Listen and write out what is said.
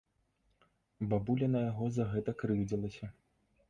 Бабуля на яго за гэта крыўдзілася.